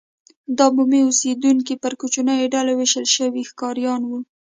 دا بومي اوسېدونکي پر کوچنیو ډلو وېشل شوي ښکاریان وو.